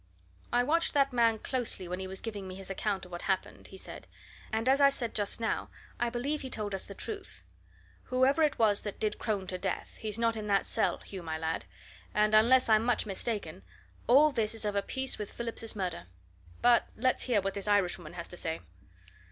"I watched that man closely when he was giving me his account of what happened," he said, "and, as I said just now, I believe he told us the truth. Whoever it was that did Crone to death, he's not in that cell, Hugh, my lad; and, unless I'm much mistaken, all this is of a piece with Phillips's murder. But let's hear what this Irishwoman has to say."